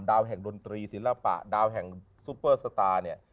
แห่งดนตรีศิลปะดาวแห่งซุปเปอร์สตาร์เนี่ย